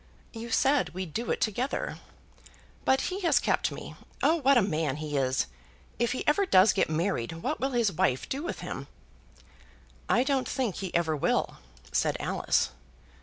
"You said we'd do it together." "But he has kept me. Oh, what a man he is! If he ever does get married, what will his wife do with him?" "I don't think he ever will," said Alice.